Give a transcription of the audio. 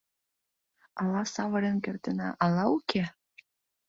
Ала савырен кертына, ала уке?